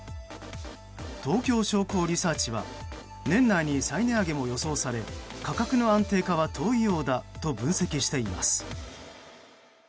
東京商工リサーチは年内に再値上げも予想され価格の安定化は遠いようだと分析しています。